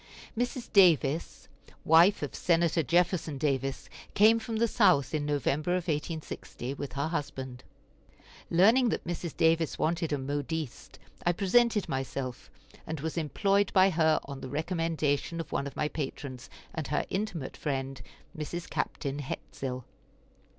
Mrs. Davis, wife of Senator Jefferson Davis, came from the South in November of 1860, with her husband. Learning that Mrs. Davis wanted a modiste, I presented myself, and was employed by her on the recommendation of one of my patrons and her intimate friend, Mrs. Captain Hetsill.